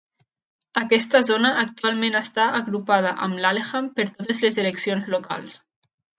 Aquesta zona actualment està agrupada amb Laleham per totes les eleccions locals.